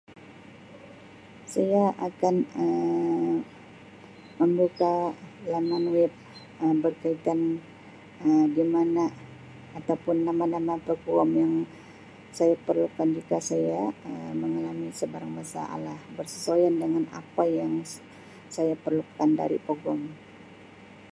Saya akan Um membuka laman web Um berkaitan Um di mana atau pun nama-nama peguam yang saya perlukan jika saya Um mengalami sebarang masalah bersesuaian dengan apa yang saya perlukan dari peguam.